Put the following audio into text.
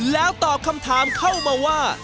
แล้วตอบคำถามเข้ามาว่า